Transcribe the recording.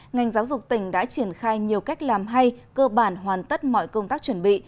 ngành giáo dục tỉnh đã triển khai nhiều cách làm hay cơ bản hoàn tất mọi công tác chuẩn bị